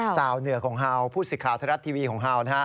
สาวเหนือกของฮาวผู้สิทธิ์ข่าวธรรมดาทีวีของฮาว